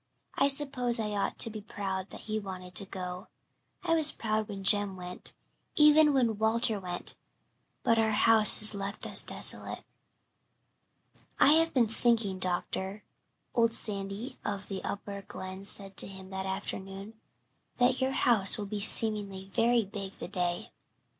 I suppose I ought to be proud that he wanted to go I was proud when Jem went even when Walter went but 'our house is left us desolate.'" "I have been thinking, doctor," old Sandy of the Upper Glen said to him that afternoon, "that your house will be seeming very big the day."